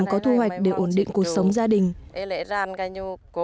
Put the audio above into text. cây trồng có thu hoạch để ổn định cuộc sống gia đình